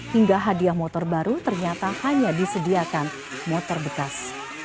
hingga hadiah motor baru ternyata hanya disediakan motor bekas